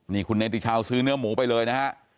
นี่คุณเนติชาวซื้อเนื้อหมูไปเลยนะฮะ